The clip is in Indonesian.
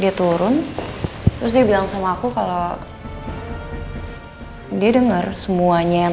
dia turun terus dia bilang sama aku kalau dia dengar semuanya yang